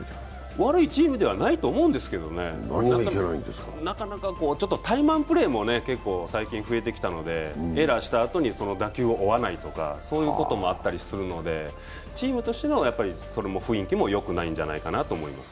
悪いチームではないと思うんですけどね、なかなか怠慢プレーも増えてきたので、エラーしたあとに打球を追わないとか、そういうこともあったりするのでチームとしての雰囲気もよくないんじゃないかと思います。